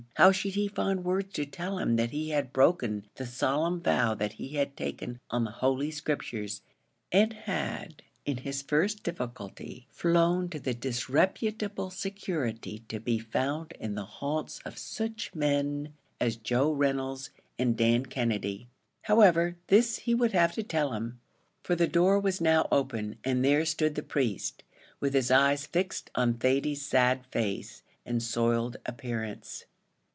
How should he find words to tell him that he had broken the solemn vow that he had taken on the holy scriptures, and had, in his first difficulty, flown to the disreputable security to be found in the haunts of such men as Joe Reynolds and Dan Kennedy. However, this he would have to tell him; for the door was now open, and there stood the priest, with his eyes fixed on Thady's sad face and soiled appearance.